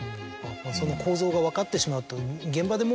その構造が分かってしまうと。